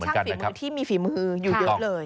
ฝีมือที่มีฝีมืออยู่เยอะเลย